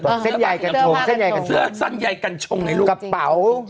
เสื้อเส้นใหญ่กัญชงเสื้อแสนใหญ่กัญชงในลูกกระเป๋า